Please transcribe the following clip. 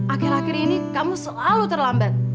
akhir akhir ini kamu selalu terlambat